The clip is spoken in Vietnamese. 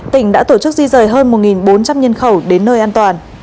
tỉnh đã tổ chức di rời hơn một bốn trăm linh nhân khẩu đến nơi an toàn